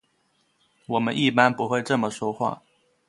我们一般不会这么说话。